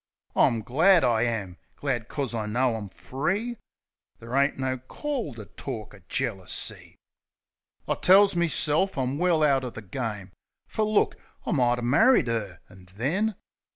I'm glad, I am — glad 'cos I know I'm free ! There ain't no call to tork o' jealousy. I tells meself I'm well out o' the game; Fer look, I mighter married 'er — an' then. ..